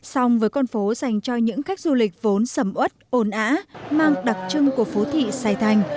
song với con phố dành cho những khách du lịch vốn sầm út ồn ả mang đặc trưng của phố thị xài thành